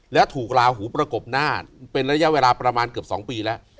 แล้วถูกลาหูประกบหน้าเป็นระยะเวลาประมาณเกือบ๒ปีแล้ว